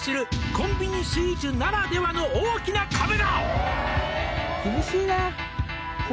「コンビニスイーツならではの大きな壁が！」